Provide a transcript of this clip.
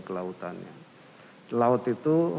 kelautannya laut itu